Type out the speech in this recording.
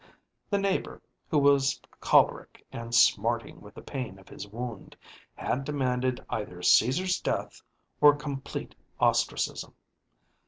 The neighbor, who was choleric and smarting with the pain of his wound, had demanded either Caesar's death or complete ostracism.